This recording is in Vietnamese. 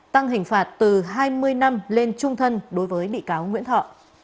tăng hình phạt từ hai mươi năm lên trung thân đối với bị cáo nguyễn thọ